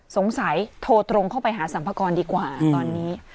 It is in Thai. สงสัยโทรตรงเข้าไปหาสัมภากรดีกว่าตอนนี้